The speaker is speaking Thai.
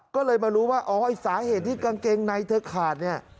ก็เลยมารู้ว่าอ๋อไอ้สาเหตุที่กางเกงในเธอขาดเนี่ย